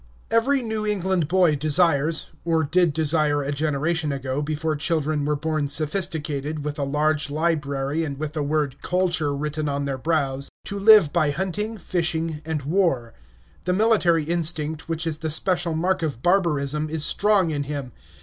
Every New England boy desires (or did desire a generation ago, before children were born sophisticated, with a large library, and with the word "culture" written on their brows) to live by hunting, fishing, and war. The military instinct, which is the special mark of barbarism, is strong in him.